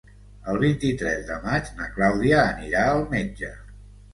El vint-i-tres de maig na Clàudia anirà al metge.